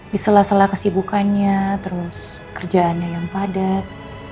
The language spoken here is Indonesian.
di sela sela kesibukannya terus kerjaannya yang padat